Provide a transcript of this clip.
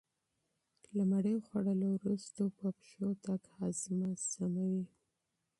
له ډوډۍ وروسته پلی تګ هاضمه ښه کوي.